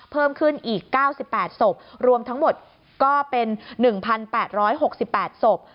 เพิ่มขึ้นอีก๙๘ศพรวมทั้งหมดก็เป็น๑๘๖๘ศพ